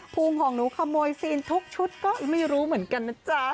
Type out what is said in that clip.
ภูมิของหนูขโมยซีนทุกชุดก็ไม่รู้เหมือนกันนะจ๊ะ